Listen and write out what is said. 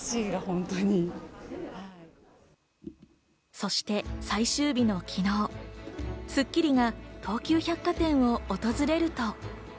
そして最終日の昨日、『スッキリ』が東急百貨店を訪れると。